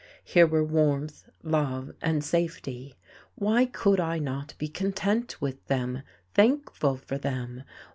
Here were warmth, love, and safety. Why could I not be content with them, thankful for them?